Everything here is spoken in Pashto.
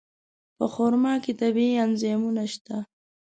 په خرما کې طبیعي انزایمونه شته.